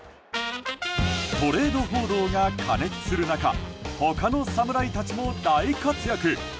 トレード報道が過熱する中他の侍たちも大活躍。